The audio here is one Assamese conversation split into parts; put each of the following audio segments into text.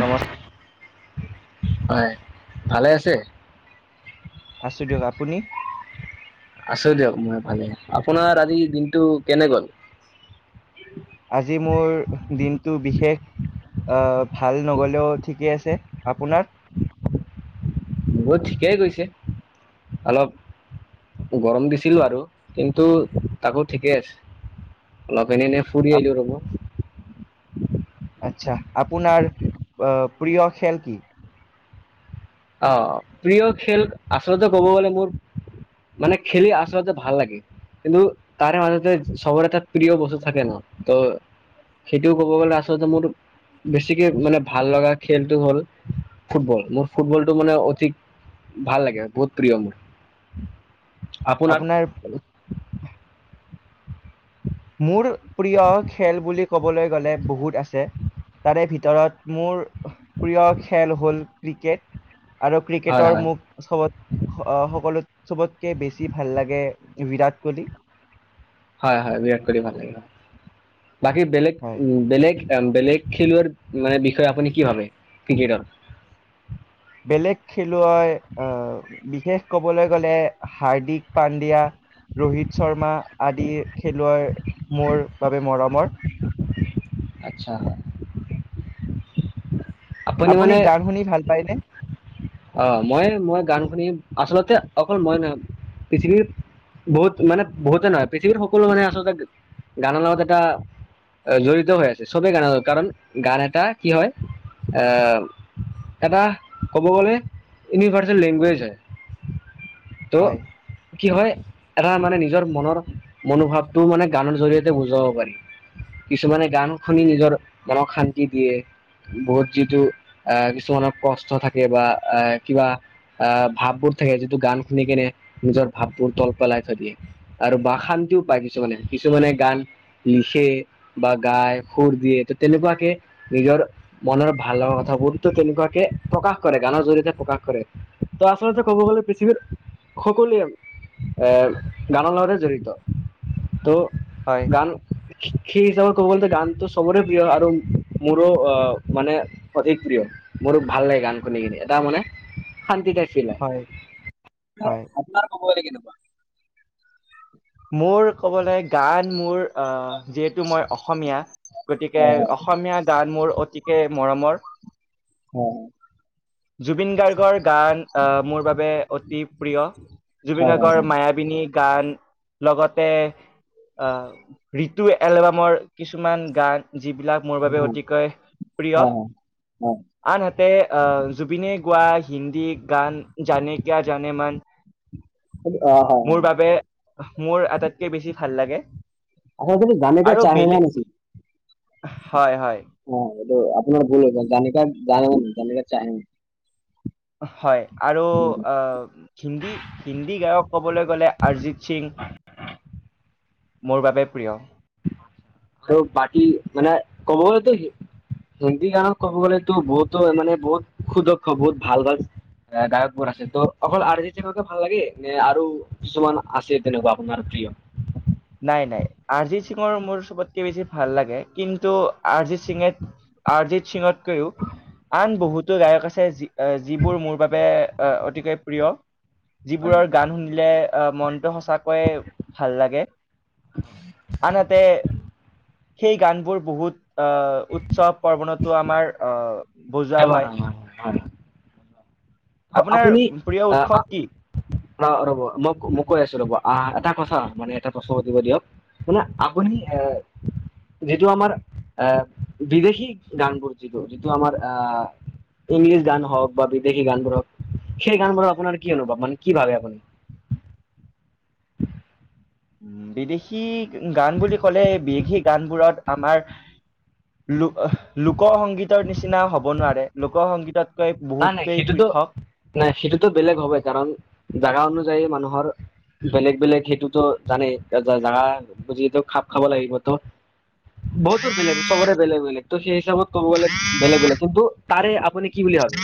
নমস্ হয়, ভালে আছে? আছো দিয়ক আপুনি আছো দিয়ক মই ভালে, আপোনাৰ আজি দিনটো কেনে গল? আজি মোৰ দিনটো বিশেষ। আহ ভাল নগলেও ঠিকেই আছে আপোনাৰ? মোৰ ঠিকেই গৈছে অলপ গৰম দিছিলো আৰু কিন্তু তাকো ঠিকে আছে অলপ। [unintelligible] ফুৰি আপ- আহিলো আচ্ছা আপোনাৰ প্ৰিয় খেল কি? অ' প্ৰিয় খেল আচলতে ক'ব গলে মোৰ। মানে খেলি আচলতে ভাল লাগে। কিন্তু তাৰে মাজতে চবৰে এটা প্ৰিয় বস্তু থাকে ন' ত' সেইটো ক'ব গ'লে আচলতে মোৰ বেছিকে মানে ভাল লগা খেলটো হ'ল ফুটবল মোৰ ফুটবলটো মানে অধিক ভাল লাগে, বহুত প্ৰিয় মোৰ। আপোনাৰ মোৰ প্ৰিয় খেল বুলি ক'বলৈ গ'লে বহুত আছে তাৰে ভিত ভিতৰত মোৰ প্ৰিয় খেল হ'ল ক্ৰিকেট। আৰু হয় ক্ৰিকেটৰ হয় মোক চবত অ, সকলো চবতকে বেছি ভাল লাগে বিৰাট কৌহলি। হয় হয় বিৰাট কোহলি ভাল লাগিল বাকী বেলেগ হয় উ বেলেগ। বেলেগ খেলুৱৈ মানে বিষয়ে আপুনি কি ভাবে ক্ৰিকেটৰ? বেলেগ খেলুৱৈ আহ বিশেষ ক'বলৈ গ'লে হাৰ্দিক পাণ্ডিয়া। ৰোহিত শৰ্মা আদি খেলুৱৈ মোৰ বাবে মৰমৰ। আচ্ছা। আপুনি গান শুনি ভাল পায়নে? আহ মই মই গান শুনি আচলতে অকল মই নহয় পৃথিৱীৰ বহুত মানে বহুতে নহয় পৃথিৱীৰ সকলো মানে আচলতে গানৰ লগত এটা জড়িত হৈ আছে চবেই গান কাৰণ গান এটা কি হয়। এটা ক'ব গ'লে ইউনিভাৰ্চেল লেংগুৱেজ হয় ত' হয় কি হয় এটা মানে নিজৰ মনৰ মনোভাৱটো মানে গানৰ জৰিয়তে বুজাব পাৰি। কিছুমানে গান শুনি নিজৰ মনক শান্তি দিয়ে। বহুত যিটো আহ কিছুমানৰ কষ্ট থাকে বা আহ কিবা আহ ভাববোৰ থাকে যিটো গান শুনি কেনে নিজৰ ভাৱবোৰ তল পেলাই থৈ দিয়ে। আৰু বা শান্তিও পায় কিছুমানে কিছুমানে গান লিখে বা গাই সুৰ দিয়ে ত' তেনেকুৱাকে নিজৰ মনৰ ভাল লগা কথাবোৰ ত' তেনেকুৱাকে প্ৰকাশ কৰে। গানৰ জৰিয়তে প্ৰকাশ কৰে ত' আচলতে ক'ব গ'লে পৃথিৱীৰ সকলোৱে। এ' গানৰ লগতে জড়িত তো হয় গান সেই হিচাপে ক'ব গ'লে গানটো সবৰে প্ৰিয় আৰু মোৰো অ' মানে অধিক প্ৰিয়। মোৰ ভাল লাগে গান শুনিকিনে এটা মানে শান্তি টাইপ ফিল হয়। হয় আপোনাৰ ক'ব গ'লে। মোৰ ক'বলে গান মোৰ অ' যি মই অসমীয়া গতিকে হয় অসমীয়া গান মোৰ অতিকে মৰমৰ। উম। জুবিন গাৰ্গৰ গান আহ মোৰ বাবে অতি প্ৰিয়। জুবিন হয় হয় গাৰ্গৰ মায়াবিনী গান। লগতে আহ ঋতু এলবামৰ কিছুমান গান। যিবিলাক মোৰ হয় বাবে হয় অতিকৈ হয় প্ৰিয় হয়। হয় আনহাতে তে' আহ জুবিনে গোৱা হিন্দী গান জানে কিয়া জানে মান। অহ'। মোৰ বাবে মোৰ আটাইতকে বেছি ভাল লাগে। আগৰ খিনি জানে কিয়া আৰু চাহে বেলেগ মান আছিল। হয়, হয়, অ', এইটো আপোনাৰ ভুল হৈছে [unintelligible] হয়, আৰু হিন্দী হিন্দী গায়ক ক'বলৈ গ'লে অৰিজিত সিং [inaudible] মোৰ বাবে প্ৰিয়। ত' বাকী মানে কব গ'লে ত' হিন্দী গানৰ ক'ব গ'লেতো বহুতো মানে বহুত সুদক্ষ বহুত ভাল ভাল গায়কবোৰ আছে ত' অকল আৰজিত সিঙক ভাল লাগে নে আৰু কিছুমান আছে তেনেকুৱা আপোনাৰ? [unintelligible] নাই নাই অৰিজিত সিঙৰ মোৰ চবতকে বেছি ভাল লাগে কিন্তু অৰিজিত সিঙে অৰিজিত সিঙত ও আন বহুতো গায়ক আছে যিবোৰ মোৰ বাবে অতিকৈ প্ৰিয়। হয় হয়। যিবোৰৰ গান শুনিলে আহ মনটো সঁচাকৈয়ে ভাল লাগে। আনহাতে সেই গানবোৰ বহুত আহ উৎসৱ পৰ্বণতো আমাৰ আহ বজোৱা হয় [inaudible] ত' আপোনাৰ আপুনি প্ৰিয় অ, আ, উৎসৱ কি অ, ৰব মো মোক কৈ আছো ৰ'ব আহ এটা কথা মানে এটা প্ৰশ্ন সুধিব দিয়ক শুনা আপুনি এ যিটো আমাৰ আ, বিদেশী গানবোৰ যিটো যিটো আমাৰ আ, ইংলিছ গান হওক বা বিদেশী গান বোৰক সেই গানবোৰৰ আপোনাৰ কি অনুভৱ মানে কি ভাবে আপুনি? [inaudible] উম, বিদেশী গান বুলি ক'লে বিদেশী গানবোৰত আমাৰ লোক লোকসংগীতৰ নিচিনা হ'ব নোৱাৰে লোকসংগীত নাই নাই সেইটোতো নাই সেইটোতো বেলেগ হবয়ে কাৰণ জাগা অনুযায়ী মানুহ ঘৰ। বেলেগ বেলেগ সেইটোতো জানেই জাগা বুজিতো খাপ খাব লাগিবতো। বহুতো বেলেগ চবৰে বেলেগ বেলেগ ত' সেই হিচাপত ক'ব গ'লে বেলেগ বেলেগ কিন্তু তাৰে আপুনি কি বুলি ভাবে?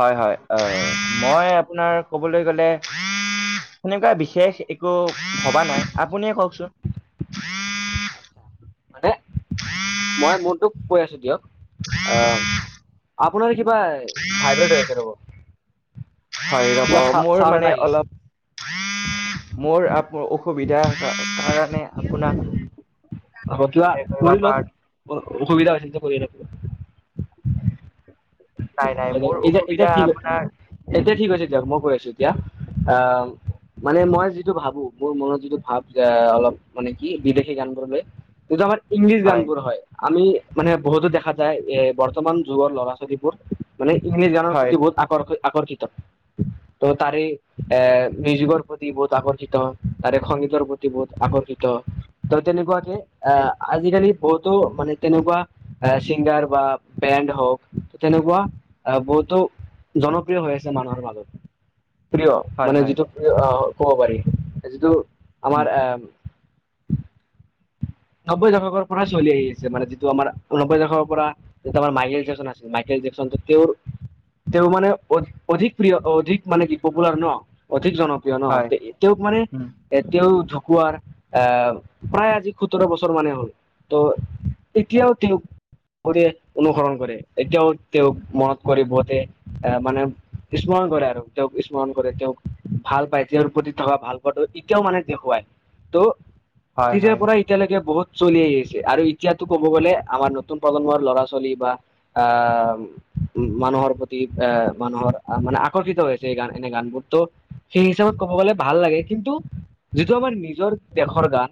হয়, হয়, অ', মই আপোনাৰ কবলৈ গলে। সেনেকুৱা বিশেষ একো ভবা নাই আপুনিয়ে কওকচোন। আচ্ছা। মানে মই মোৰটো কৈ আছো দিয়ক আ, আপোনাৰ কিব কিবা ভাইব্ৰেট হৈ আছে ৰ'ব। হয়, কিবা চা ৰ'ব মোৰ চাউণ্ড মানে এটা আহি আছে অলপ মোৰ অসুবিধা কাৰণে আপোনাক অ', কিবা এ কৰিব কৰি পাৰ লওক অসুবিধা হৈছে যেতিয়া কৰিয়ে লওক। নাই নাই হয়, মোৰ এতিয়া - অসুবিধা এতিয়া ঠিক আপোনাৰ এতিয়া ঠিক হৈছে দিয়ক, মই কৈ আছো এতিয়া আ মানে মই যিটো ভাবো মোৰ মনত যিটো ভাৱ অলপ মানে কি বিদেশী গান বোৰলৈ [unintelligible] ইংলিছ গান বোৰ হয়, আমি মানে বহুতো দেখা যায় এ বৰ্তমান যুগৰ ল'ৰা ছোৱালীবোৰ মানে ইংলিছ গানৰ হয় প্ৰতি বহুত আকৰ্ষিত আকৰ্ষিত ত' তাৰে এ মিউজিকৰ প্ৰতি বহুত আকৰ্ষিত তাৰে খন গীতৰ প্ৰতি বহুত আকৰ্ষিত ত' তেনেকুৱাকে এ আজিকালি বহুতো মানে তেনেকুৱা আ, চিংগাৰ বা বেণ্ড হওক তেনেকুৱা আ, বহুতো জনপ্ৰিয় হৈ আছে মানুহৰ মাজত। প্ৰিয় হয় মানে হয় যিটো প্ৰিয় আ, ক'ব পাৰি যিটো উম আমাৰ এ নব্বৈ দশকৰ পৰা চলি আহি আছে, মানে যিটো আমাৰ নব্বৈ দশকৰ পৰা যিটো আমাৰ মাইকেল জেকচন আছিল মাইকেল জেকচনটো তেওঁৰ তেওঁ মানে অধিক প্ৰিয়, অধিক মানে কি পপুলাৰ ন অঠিক জনপ্ৰিয় ন' হয় তেওঁক মানে উম এ তেওঁ ঢুকুৱাৰ এ প্ৰায় আজি সোতৰ বছৰ মানে হ'ল ত' এতিয়াও তেওঁ [unintelligible] অনুসৰণ কৰে এতিয়াও তেওঁক মনত কৰে বহতে এ মানে কিছো স্মৰণ কৰে আৰু তেওঁক স্মৰণ কৰে, তেওঁক ভাল পায়, তেওঁৰ প্ৰতি থকা ভাল পোৱাটো এতিয়াও মানে দেখুৱায়। টু হয়, হয় এতিয়া বহুত চলি আহিছে আৰু এতিয়াতো ক'ব গ'লে আমাৰ নতুন প্ৰজন্মৰ ল'ৰা ছোৱালী বা আ, মানুহৰ প্ৰতি আ, মানুহৰ মানে আকৰ্ষিত হৈছে এই গান এনে গানবোৰ ত' সেই হিচাপত ক'ব গ'লে ভাল লাগে কিন্তু যিটো আমাৰ নিজৰ দেশৰ গান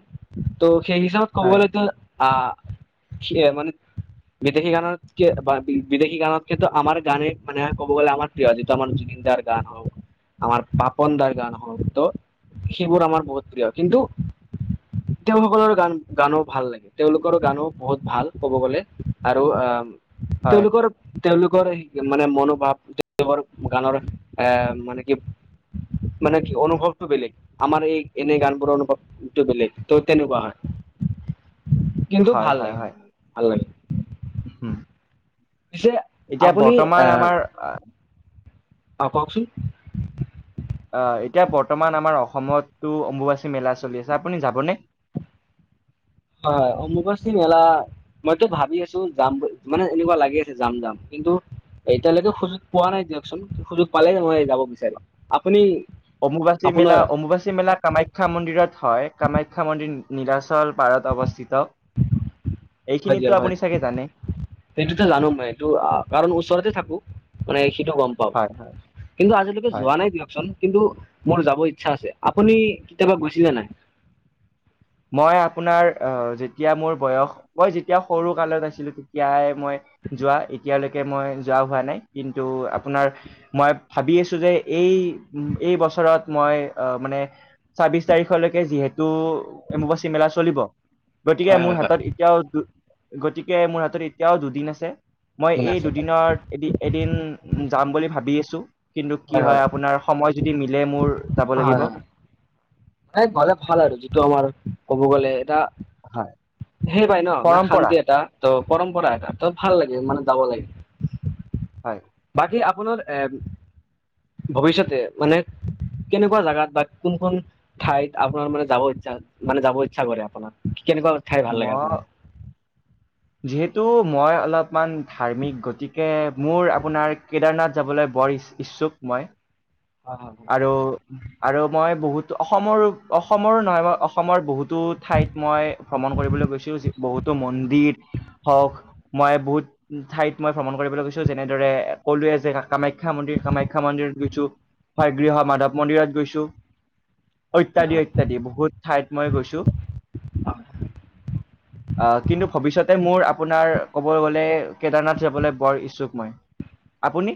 ত' সেই হিচাপত ক'ব হয় গলেতো আ, মানে বিদেশী গানত কে বা বিদেশী গানতকেতো আমাৰ গানে মানে ক'ব গ'লে আমাৰ প্ৰিয়জিত মনযোগী যাৰ গান হওক আমাৰ পাপন দাৰ গান হওক ত' সেইবোৰ আমাৰ বহুত প্ৰিয় কিন্তু তেওঁ সকলৰ গান গানো ভাল লাগে, তেওঁ লোকৰ গানো বহুত ভাল ক'ব গলে আৰু উম, হয় তেওঁলোকৰ তেওঁলোকৰ মানে মনোভাৱ তেওঁৰ গানৰ এ মানে কি মানে কি অনুভৱটো বেলেগ, আমাৰ এই এনেই গান বোৰৰ অনুভৱটো বেলেগ। ত' তেনেকোৱা হয়। কিন্তু হয় ভাল হয় লাগে মোৰ হয় ভাল উম লাগে। পিছে এতিয়া আপুনি বৰ্তমান আহ আমাৰ অ', কওকচোন। আ, এতিয়া বৰ্তমান আমাৰ অসমতটো অম্বুবাচী মেলা চলি আছে আপুনি যাবনে? [inaudible] হয়, হয় অম্বুবাচী মেলা মইতো ভাবি আছোঁ যাম মানে এনেকুৱা লাগি আছে যাম যাম। কিন্তু এতিয়ালৈকে সুযোগ পোৱা নাই দিয়কচোন সুযোগ পালে মই যাব বিচাৰিম, আপুনি অম্বুবাচী আপোনাৰ মেলা, অম্বুবাচী মেলা কামাখ্যা মন্দিৰত হয়, কামাখ্যা মন্দিৰ নীলাচল পাৰত অৱস্থিত। হয় এইখিনিতো দিয়া হয়, আপুনি চাগে জানে সেইটোতো জানো মই এইটো কাৰণ ওচৰতে থাকো। মানে সিটো গম পাওঁ, হয় হয় কিন্তু আজিলৈকে হয়। যোৱা নাই দিয়কচোন। কিন্তু মোৰ যাব ইচ্ছা আছে আপুনি কেতিয়াবা গৈছিলে নাই? মই আপোনাৰ আ, যেতিয়া মোৰ বয়স, মই যেতিয়া সৰু কালত আছিলোঁ তেতিয়াই মই যোৱা এতিয়ালৈকে মই যোৱা হোৱা নাই কিন্তু আপোনাৰ মই ভাবি আছোঁ যে এই এই এই বছৰত মই মানে ছাব্বিশ তাৰিখলৈকে যিহেতু অম্বুবাচী মেলা চলিব, গতিকে হয় মোৰ হয় হয় হাতত এতিয়াও গতিকে মোৰ হাতত এতিয়াও দুদিন আছে। মই দুদিন এই আছে দুদিনৰ এদ এদিন যাম বুলি ভাবি আছোঁ। কিন্তু কি হয় আপোনাৰ সময় যদি মিলে মোৰ যাব হয় হয় লাগিব। হয় এই গলে ভাল আৰু যিটো আমাৰ ক'ব গ'লে এটা হয় সেই পাই ন' না পৰম্পৰা, শান্তি এটা ত' পৰম্পৰা এটা ত' ভাল লাগে মানে যাব লাগে। হয়। বাকী আপোনাৰ এ ভৱিষ্যতে মানে কেনেকুৱা জাগাত বা কোন কোন ঠাইত আপোনাৰ মানে যাব ইচ্ছা, মানে যাব ইচ্ছা কৰে আপোনাৰ? কেনেকুৱা ঠাই ভাল ম লাগে আপোনাৰ? যিহেতু মই অলপমান ধাৰ্মিক গতিকে মোৰ আপোনাৰ কেদাৰনাথ যাবলৈ বৰ ইচ্ছুক মই হয় হয় হয় আৰু - আৰু মই বহুত অসমৰো অসমৰো নহয় মই অসমৰ বহুতো ঠাইত মই ভ্ৰমণ কৰিবলৈ গৈছো বহুতো টো মন্দিপ হওক মই বহুত ঠাইত মই ভ্ৰমণ কৰিবলৈ গৈছো যেনেদৰে কলোৱে যে কামাখ্যা [unintelligible] মন্দিৰ কামাখ্যা মন্দিৰত গৈছো হয় গৃহ মাধৱ মন্দিৰত গৈছো। হয় অত্যাদী অত্যাদী বহুত ঠাইত মই গৈছো। হয় হয় অ' কিন্তু ভৱিষ্যত তে মোৰ আপোনাৰ ক'বলৈ গ'লে কেদাৰনাথ যাবলৈ বৰ ইচ্ছুক মই। আপুনি?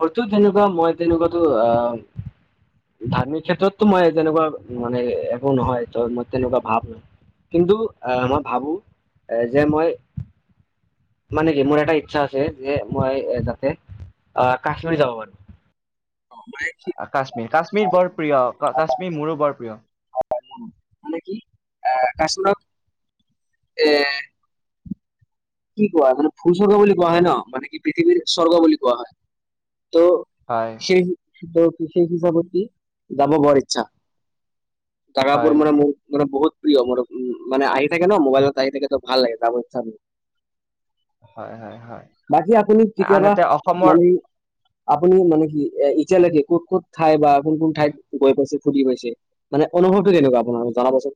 হয়তো তেনেকুৱা মই তেনেকুৱা টো আহ ধাৰ্মিক ক্ষেত্ৰতটো মই তেনেকুৱা মানে একো নহয় ত মই তেনেকুৱা ভাৱ নাই। কিন্তু এ মই ভাবোঁ এ যে মই মানে কি মোৰ এটা ইচ্ছা আছে যে মই এ যাতে আহ কাশ্মীৰ যাব পাৰোঁ। কাশ্মীৰ কাশ্মীৰ বৰ প্ৰিয়। কাশ্মীৰ মোৰো বৰ প্ৰিয়। হয়, মানে কি আ, কাশ্মীৰত এ কি কোৱা মানে ভুলস্বৰ্গ বুলি কোৱা হয় ন' মানে কি পৃথিৱীৰ স্বৰ্গ বুলি কোৱা হয়। হয় ত' সেই সেই হিচাপত কি যাব বৰ ইচ্ছা, তাৰকাপোৰ হয় মানে মোৰ মানে বহুত প্ৰিয় মোৰ মানে আহি থাকে ন' মোবাইলত আহি থাকে ত' ভাল লাগে যাব ইচ্ছা মোৰ। হয় হয় হয় বাকী আপুনি কেতিয়াবা আনহাতে অসমৰ মানে আপুনি মানে কি ইতিয়ালৈকে ক'ত ক'ত ঠাই বা কোন কোন ঠাইত গৈ পাইছে? ফুটি গৈছে মানে অনুভৱটো কেনেকুৱা আপোনাৰ জনাবচোন।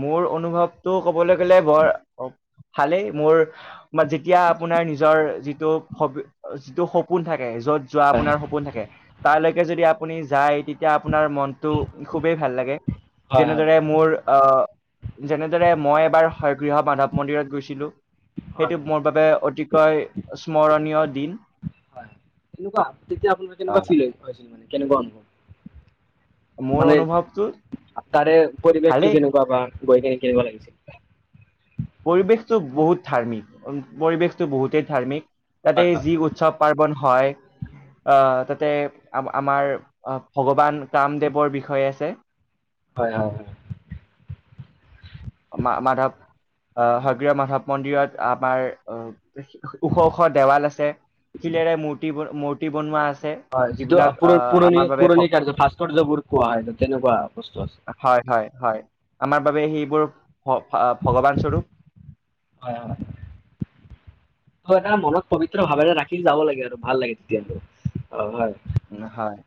মোৰ অনুভৱ টো ক'বলৈ গ'লে বৰ ভালেই মোৰ যেতিয়া আপোনাৰ নিজৰ যিটো সপ যিটো সপোন থাকে য'ত যোৱা হয় আপোনাৰ সপোন থাকে তাৰলৈকে যদি আপুনি যায় তেতিয়া আপোনাৰ মনটো খুবেই ভাল লাগে। হয় হয় হয় যেনেদৰে হয় মোৰ আহ যেনেদৰে মই এবাৰ হয়গৃহ মাধৱ মন্দিৰত গৈছিলোঁ। সেইটো মোৰ বাবে অতিকৈ স্মৰণীয় দিন। তেনেকুৱা তেতিয়া আপোনাৰ কেনেকুৱা আহ ফিল হৈছিল মানে কেনেকুৱা অনুভৱ? মোৰ মানে অনুভৱটো তাৰে পৰিৱেশটো ভালেই কেনেকুৱা বা? গৈ কিনে কেনেকুৱা লাগিছে? পৰিৱেশটো বহুত ধাৰ্মিক পৰিৱেশটো বহুতেই ধাৰ্মিক। তাতে হয় হয় যি উৎসৱ পাৰ্বন হয় আহ তাতে আ আমাৰ ভগৱান কামদেৱৰ বিষয়ে আছে। হয়- হয়- হয়। মা মাধৱ আহ হগ্ৰীয় মাধৱ মন্দিৰত আমাৰ আহ ওখ- ওখ দেৱাল আছে। শিলেৰে মূৰ্তি বনোৱা আছে। হয় যিটো যিবিলাক প আহ পুৰণি আমাৰ বাবে পুৰণি ভক- কাৰ্য ভাস্কৰ্য বুলি কোৱা হয় তেনেকুৱা বস্তু আছে। হয় -হয়। আমাৰ বাবে সেইবোৰ ভগৱান স্বৰূপ। হয় হয় এটা মনত পবিত্ৰ ভাৱেৰে ৰাখি যাব লাগে আৰু ভাল লাগে তেতিয়া। অ' হয়। উ হয়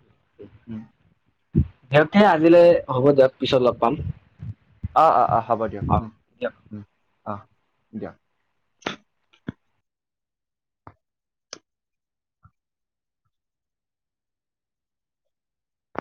উম। সতে [unintelligible] আজিলে হ'ব দিয়ক পিছত লগ পাম। অ -অ -অ হ'ব দিয়ক অ উ অ দিয়ক।